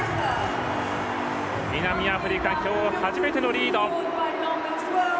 南アフリカ、今日初めてのリード。